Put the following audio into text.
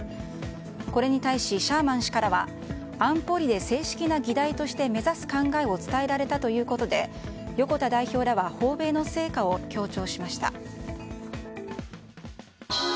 これに対しシャーマン氏からは安保理で正式な議題として目指す考えを伝えられたということで横田代表らは訪米の成果を強調しました。